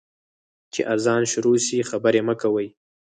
چي اذان شروع سي، خبري مه کوئ.